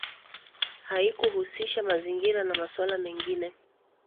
Haikuhusisha mazingira na masuala mengine